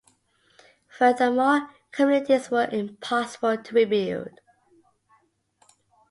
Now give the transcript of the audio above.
Furthermore, communities were impossible to rebuild.